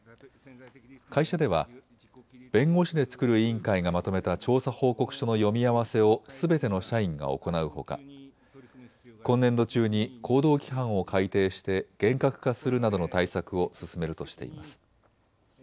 会社では弁護士で作る委員会がまとめた調査報告書の読み合わせをすべての社員が行うほか今年度中に行動規範を改定して厳格化するなどの対策を進めるとしています。